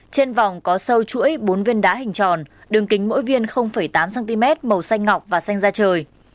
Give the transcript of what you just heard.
trên vòng có sâu chuỗi bốn viên đá hình tròn đường kính mỗi viên tám cm màu xanh ngọc và xanh ra trời